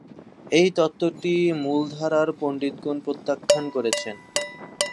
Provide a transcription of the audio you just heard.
এই তত্ত্বটি মূলধারার পণ্ডিতগণ প্রত্যাখ্যান করেছেন।